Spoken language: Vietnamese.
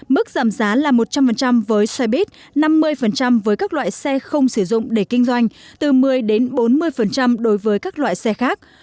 mức giảm giá là một trăm linh với xe buýt năm mươi với các loại xe không sử dụng để kinh doanh từ một mươi bốn mươi đối với các loại xe khác